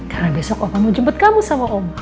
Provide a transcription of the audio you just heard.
karena besok opa mau jemput kamu sama om mas